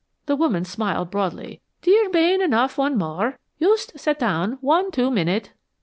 The woman smiled broadly. "Dere bane enough one more. Yust set down one, two minute."